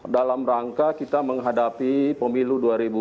dalam rangka kita menghadapi pemilu dua ribu sembilan belas